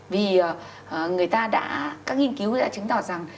vì người ta đã các nghiên cứu đã chứng tỏ rằng